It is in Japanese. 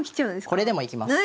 これでもいきます。